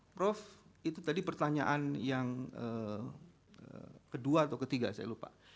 prof itu tadi pertanyaan yang kedua atau ketiga saya lupa